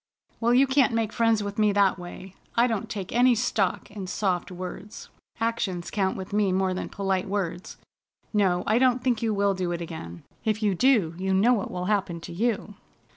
Well, you can't make friends with me that way. I don't take any stock in soft words. Actions count with me more than polite words. No, I don't think you will do it again. If you do you know what will happen to you!"